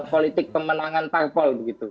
politik pemenangan parkpol begitu